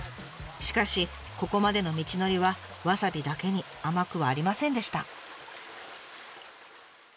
しかしここまでの道のりはわさびだけに甘くはありませんでした。